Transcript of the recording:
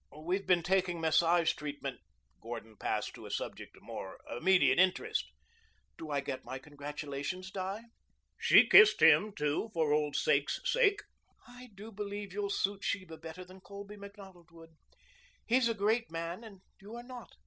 "We've been taking massage treatment." Gordon passed to a subject of more immediate interest. "Do I get my congratulations, Di?" She kissed him, too, for old sake's sake. "I do believe you'll suit Sheba better than Colby Macdonald would. He's a great man and you are not.